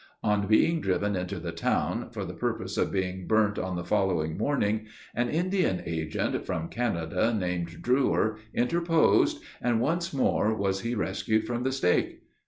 On being driven into the town, for the purpose of being burnt on the following morning, an Indian agent, from Canada, named Drewyer, interposed, and once more was he rescued from the stake.